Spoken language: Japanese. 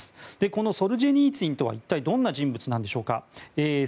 このソルジェニーツィンとは一体どんな人物なんでしょうか。